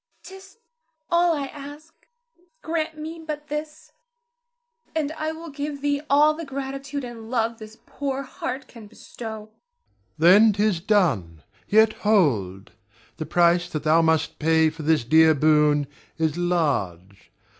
Zara. 'T is all I ask; grant me but this, and I will give thee all the gratitude and love this poor heart can bestow. Ber. Then 'tis done. Yet hold! the price that thou must pay for this dear boon is large.